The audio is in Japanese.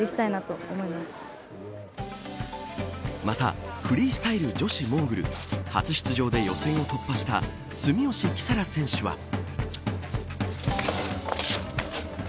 またフリースタイル女子モーグル初出場で予選を突破した住吉輝紗良選手は。